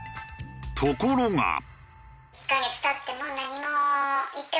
ところが。